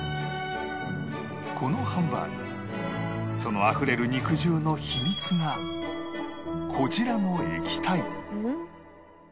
このハンバーグそのあふれる肉汁の秘密がこちらの液体